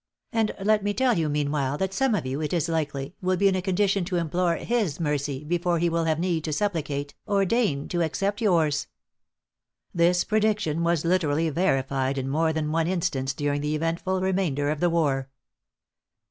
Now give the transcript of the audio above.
And let me tell you, meanwhile, that some of you, it is likely, will be in a condition to implore his mercy, before he will have need to supplicate, or deign to accept yours." This prediction was literally verified in more than one instance during the eventful remainder of the war.